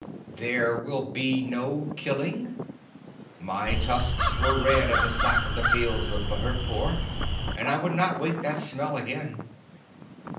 "There will be no killing? My tusks were red at the Sack of the Fields of Bhurtpore, and I would not wake that smell again."